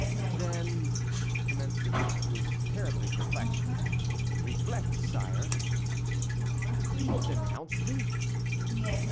"Then " commenced the duke, who was terribly perplexed. "Reflect, sire." "You will denounce me?"